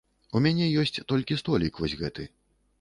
У мяне ёсць толькі столік вось гэты.